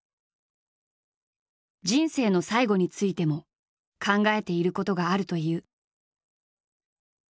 人生の最期についても考えていることがあるという。